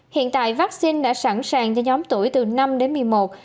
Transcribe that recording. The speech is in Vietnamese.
hiện tại vaccine đã sẵn sàng cho nhóm tuổi từ năm đến một mươi một